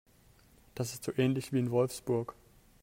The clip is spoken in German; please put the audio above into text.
Das ist so ähnlich wie in Wolfsburg